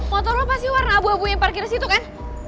motor lo pasti warna abu abu yang parkir disitu kan